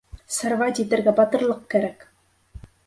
Сорвать итергә батырлыҡ кәрәк!